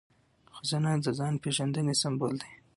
خزانه د ځان پیژندنې سمبول دی.